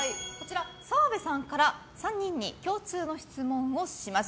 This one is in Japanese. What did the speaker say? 澤部さんから３人に共通の質問をします。